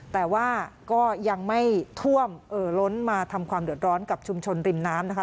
แต่ว่าก็ยังไม่ท่วมเอ่อล้นมาทำความเดือดร้อนกับชุมชนริมน้ำนะคะ